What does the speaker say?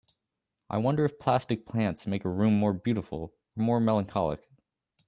I wonder if plastic plants make a room more beautiful or more melancholic.